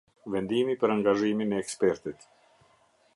Vendimi për angazhimin e ekspertit.